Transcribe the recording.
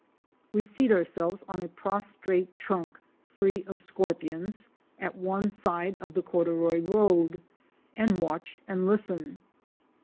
We seat ourselves on a prostrate trunk free of scorpions, at one side of the corduroy road, and watch and listen.